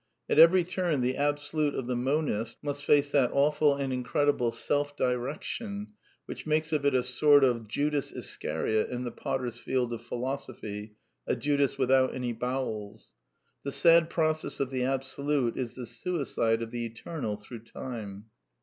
At every turn the Abso lute of the monist must face that awful and incredible " self diremption/' which makes of it a sort of Judas Is cariot in the potter's field of Philosophy, a Judas without j any bowels. The sad process of the Absolute is the sui '^ cide of the eternal through time.